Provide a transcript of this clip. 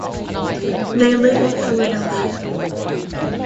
They live in Philadelphia.